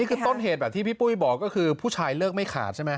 อันนี้คือต้นเหตุที่พี่ปุ้ยบอกก็คือผู้ชายเลิกไม่ขาดใช่ไหม